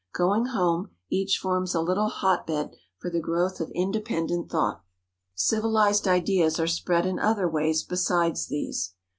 Going home, each forms a little hot bed for the growth of inde pendent thought. Civilized ideas are spread in other ways besides these.